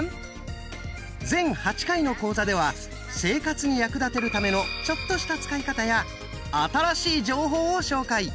全８回の講座では生活に役立てるためのちょっとした使い方や新しい情報を紹介。